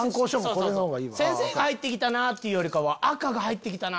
そうそう先生が入って来たなっていうよりかは赤が入って来たな！